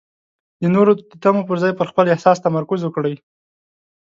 د نورو د تمو پر ځای پر خپل احساس تمرکز وکړئ.